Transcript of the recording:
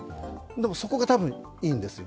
でもそこが多分いいんですよ。